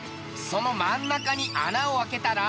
その真ん中に穴を開けたら。